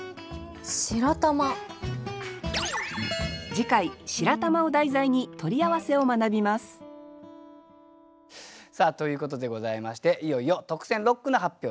次回「白玉」を題材に「取り合わせ」を学びますさあということでございましていよいよ特選六句の発表です。